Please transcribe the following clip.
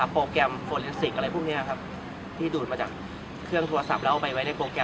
โปรแกรมโอลินสิกอะไรพวกนี้ครับที่ดูดมาจากเครื่องโทรศัพท์แล้วเอาไปไว้ในโปรแกรม